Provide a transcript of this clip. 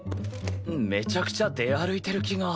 めちゃくちゃ出歩いてる気が。